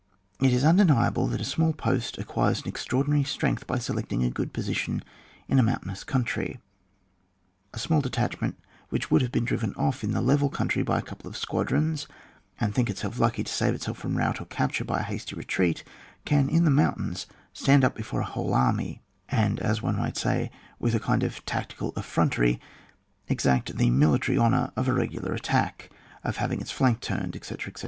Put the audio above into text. It is undeniable that a small post acquires an extraordinary strength by selecting a good position in a moun tcdnous country. A small detatchment, which would be driven off in the level country by a couple of squadrons, and think itself lucky to save itself from rout or capture by a hasty retreat, can in the moimtains stand up before a whole army, and, as one might say, with a kind of tactical effirontery exact the military honour of a regular attack, of having its flank turned, etc., etc.